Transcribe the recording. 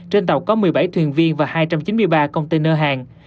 trên tàu có một mươi bảy thuyền viên và hai trăm chín mươi ba container hàng